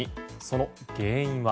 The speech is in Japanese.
その原因は。